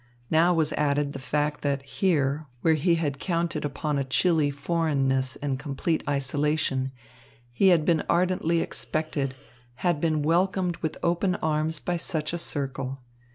Now was added the fact that here, where he had counted upon a chilly foreignness and complete isolation, he had been ardently expected, had been welcomed with open arms by such a circle.